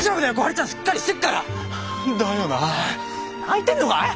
泣いてんのかい？